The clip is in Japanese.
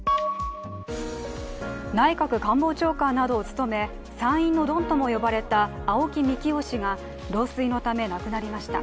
内閣官房長官などを務め参院のドンとも呼ばれた青木幹雄氏が老衰のため亡くなりました。